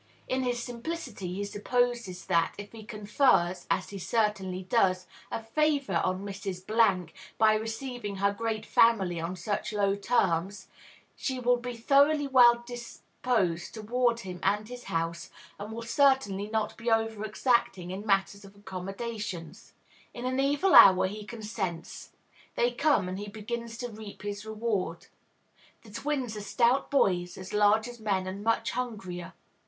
In his simplicity, he supposes that, if he confers, as he certainly does, a favor on Mrs. , by receiving her great family on such low terms, she will be thoroughly well disposed toward him and his house, and will certainly not be over exacting in matter of accommodations. In an evil hour, he consents; they come, and he begins to reap his reward. The twins are stout boys, as large as men, and much hungrier.